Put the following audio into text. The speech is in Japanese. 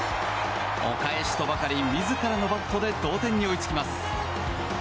お返しとばかりに自らのバットで同点に追いつきます。